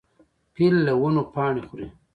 فیل له ونو پاڼې خوري.